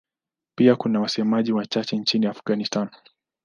Pia kuna wasemaji wachache nchini Afghanistan.